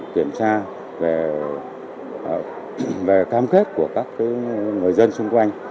kiểm tra về cam kết của các người dân xung quanh